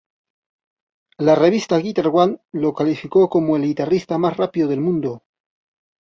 La revista Guitar One lo calificó como el guitarrista más rápido del mundo.